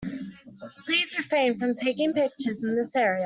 Please refrain from taking pictures in this area.